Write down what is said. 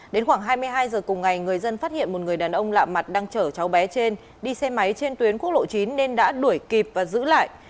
đến khoảng hai mươi hai giờ cùng ngày người dân phát hiện một người đàn ông lạ mặt đang chở cháu bé trên đi xe máy trên tuyến quốc lộ chín nên đã đuổi kịp và giữ lại